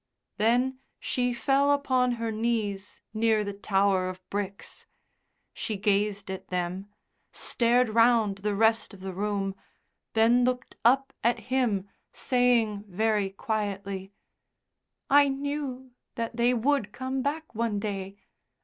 Then she fell upon her knees near the tower of bricks. She gazed at them, stared round the rest of the room, then looked up at him, saying very quietly: "I knew that they would come back one day.